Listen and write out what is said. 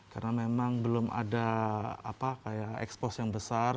karena memang belum ada ekspos yang besar